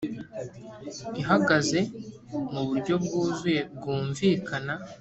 ihagaze mu buryo bwuzuye bwumvikana